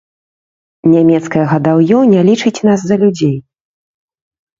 Нямецкае гадаўё не лічыць нас за людзей.